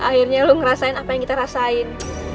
akhirnya lo ngerasain apa yang kita rasain